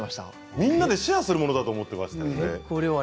みんなでシェアするものだと思っていましたよね。